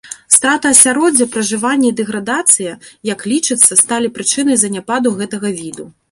Страта асяроддзя пражывання і дэградацыя, як лічыцца, сталі прычынай заняпаду гэтага віду.